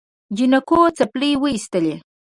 جانکو څپلۍ وېستې.